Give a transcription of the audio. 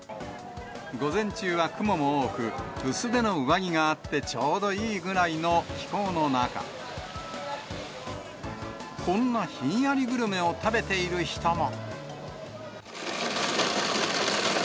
午前中は雲も多く、薄手の上着があってちょうどいいぐらいの気候の中、こんなひんやりグルメを食べている人も。